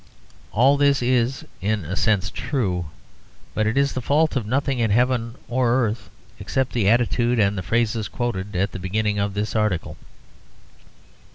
All this is, in a sense, true, but it is the fault of nothing in heaven or earth except the attitude and the phrases quoted at the beginning of this article.